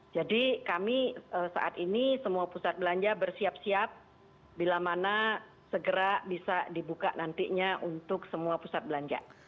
jadi kami saat ini semua pusat belanja bersiap siap bila mana segera bisa dibuka nantinya untuk semua pusat belanja